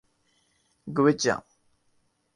گوئچ ان